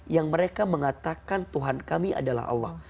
yang mereka mengatakan tuhan kami adalah allah